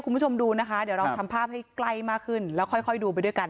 คุณผู้ชมดูนะคะเดี๋ยวเราทำภาพให้ใกล้มากขึ้นแล้วค่อยดูไปด้วยกัน